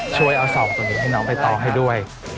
ช่วยเอาสองตัวนี้ให้น้องใบตองให้ด้วย